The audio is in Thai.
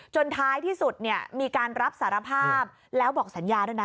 ท้ายที่สุดเนี่ยมีการรับสารภาพแล้วบอกสัญญาด้วยนะ